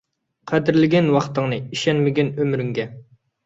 قەدىرلىگىن ۋاقتىڭنى، ئىشەنمىگىن ئۆمرۈڭگە.